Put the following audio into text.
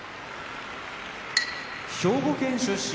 兵庫県出身